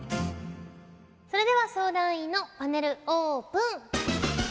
それでは相談員のパネルオープン。